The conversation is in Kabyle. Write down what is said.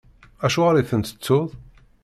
Acuɣeṛ i ten-tettuḍ?